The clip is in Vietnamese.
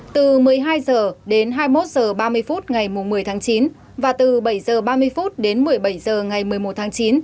từ một mươi hai h đến hai mươi một h ba mươi phút ngày một mươi tháng chín và từ bảy h ba mươi đến một mươi bảy h ngày một mươi một tháng chín